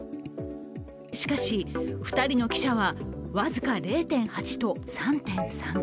しかし、２人の記者は僅か０．８と３．３。